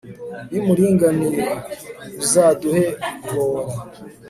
bimuringaniye, uzaduhe guhora